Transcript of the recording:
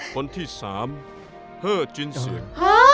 คนที่สามเฮ่อจินเสียง